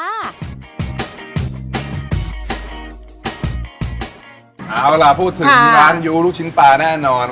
เอาล่ะพูดถึงร้านยูลูกชิ้นปลาแน่นอน